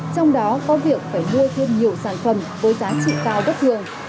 trong đó có việc phải mua thêm nhiều sản phẩm với giá trị cao bất thường